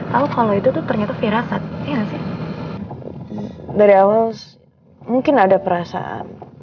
tahu kalau itu tuh ternyata firasat iya sih dari awal mungkin ada perasaan